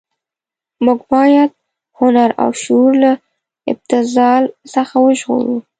موږ باید هنر او شعر له ابتذال څخه وژغورو.